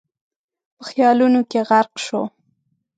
په خيالونو کې غرق شو.